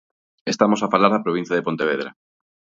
Estamos a falar da provincia de Pontevedra.